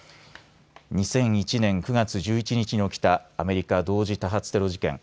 ２００１年９月１１日に起きたアメリカ同時多発テロ。